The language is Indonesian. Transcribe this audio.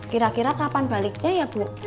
kira kira kapan baliknya ya bu